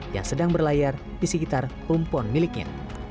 yang sedang berlayar di sekitar rumpon miliknya